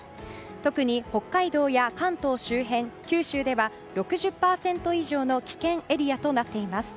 特に北海道や関東周辺、九州では６０％以上の危険エリアとなっています。